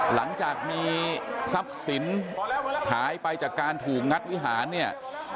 หลังจากมีทรัพย์สินหายไปจากการถูกงัดวิหารเนี่ย